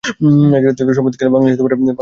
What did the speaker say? সাম্প্রতিককালে বাংলাদেশে এটির চাষাবাদ শুরু হয়েছে।